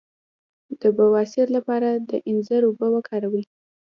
د بواسیر لپاره د انځر اوبه وکاروئ